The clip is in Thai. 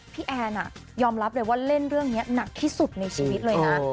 แอนยอมรับเลยว่าเล่นเรื่องนี้หนักที่สุดในชีวิตเลยนะ